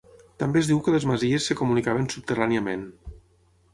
També es diu que les masies es comunicaven subterràniament.